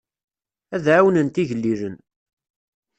Ad ɛawnent igellilen.